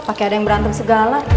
pakai ada yang berantem segala